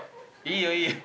いいよいいよ